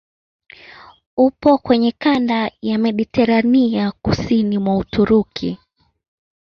Upo kwenye kanda ya Mediteranea kusini mwa Uturuki.